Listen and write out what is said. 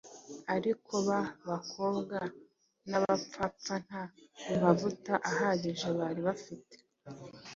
Ariko ba bakobwa b’abapfapfa nta mavuta ahagije bari bafite